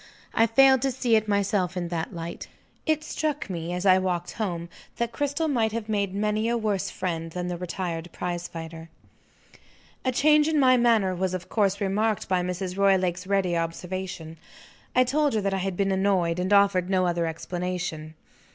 I failed to see it myself in that light. It struck me, as I walked home, that Cristel might have made many a worse friend than the retired prize fighter. A change in my manner was of course remarked by Mrs. Roylake's ready observation. I told her that I had been annoyed, and offered no other explanation.